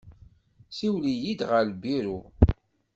Siwel-iyi-id ɣer lbiru.